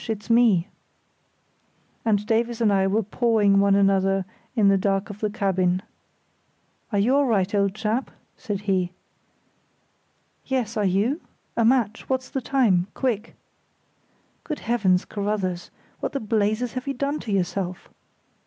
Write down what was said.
it's me." And Davies and I were pawing one another in the dark of the cabin. "Are you all right, old chap?" said he. "Yes; are you? A match! What's the time? Quick!" "Good Heavens, Carruthers, what the blazes have you done to yourself?"